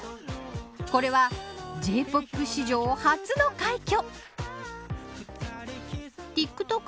これはＪ‐ＰＯＰ史上初の快挙。